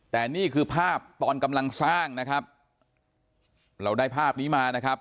แต่นี่คือภาพตอนกำลังสร้างนะครับเราได้ภาพนี้มานะครับ